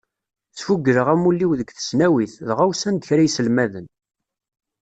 Sfugleɣ amulli-w deg tesnawit, dɣa usan-d kra iselmaden.